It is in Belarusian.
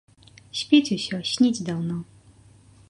Спіць усё, сніць даўно.